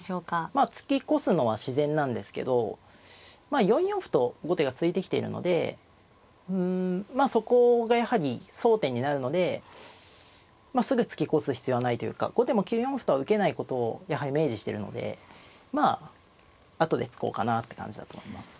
まあ突き越すのは自然なんですけどまあ４四歩と後手が突いてきているのでまあそこがやはり争点になるのでまあすぐ突き越す必要はないというか後手も９四歩とは受けないことをやはり明示しているのでまあ後で突こうかなって感じだと思います。